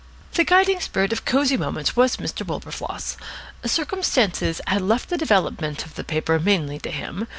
The guiding spirit of Cosy Moments was Mr. Wilberfloss. Circumstances had left the development of the paper mainly to him.